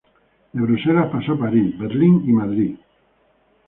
De Bruselas pasó a París, Berlín y Madrid.